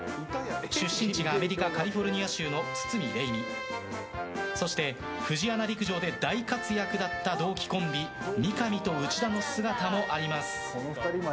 出身地がアメリカカリフォルニア州の堤礼実にそして、フジアナ陸上で大活躍だった同期コンビ三上と内田の姿もあります。